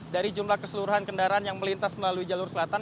dari jumlah keseluruhan kendaraan yang melintas melalui jalur selatan